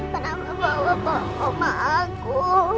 kenapa bawa bapak oma aku